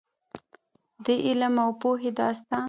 د علم او پوهې داستان.